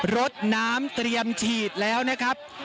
รถน้ำเตรียมฉีดแล้วนะครับ